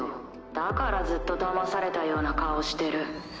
だからずっとだまされたような顔してる。